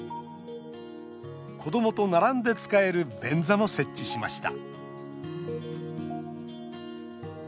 子どもと並んで使える便座も設置しました